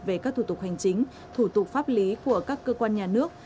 về các thủ tục hành chính thủ tục pháp lý của các cơ quan nhà nước